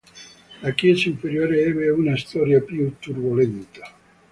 La chiesa inferiore ebbe una storia più turbolenta.